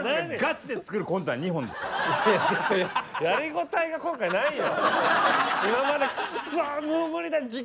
やり応えが今回ないよ！